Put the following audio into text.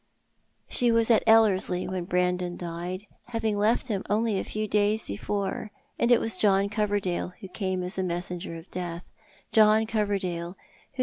She was at Ellerslie when Brandon died, having left liim only a few days before, and it was John Coverdale who came as the messenger of death ; John Coverdale, whoso